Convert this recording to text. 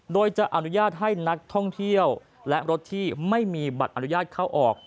โดยจะอนุญาตให้นักท่องเที่ยวและรถที่ไม่มีบัตรอนุญาตเข้าออก